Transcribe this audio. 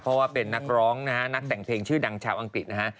เพราะว่าเป็นนักร้องนะฮะนักแต่งเพลงชื่อดังชาวอังกฤษนะฮะ